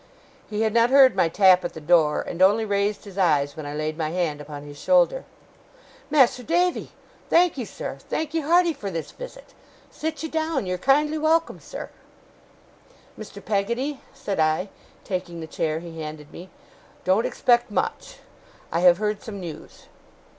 He had not heard my tap at the door, and only raised his eyes when I laid my hand upon his shoulder. 'Mas'r Davy! Thankee, sir! thankee hearty, for this visit! Sit ye down. You're kindly welcome, sir!' 'Mr. Peggotty,' said I, taking the chair he handed me, 'don't expect much! I have heard some news.